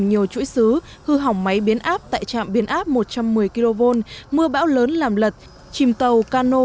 nhiều chuỗi xứ hư hỏng máy biến áp tại trạm biến áp một trăm một mươi kv mưa bão lớn làm lật chìm tàu cano